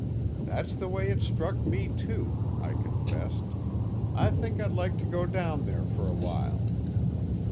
"That's the way it struck me, too," I confessed. "I think I'd like to go down there for a while."